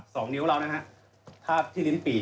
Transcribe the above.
สองนิ้วเรานะฮะทาบที่ลิ้นปี่